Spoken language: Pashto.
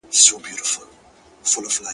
o گيلاس خالي. تياره کوټه ده او څه ستا ياد دی.